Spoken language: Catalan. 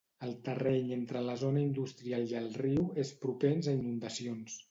El terreny entre la zona industrial i el riu és propens a inundacions.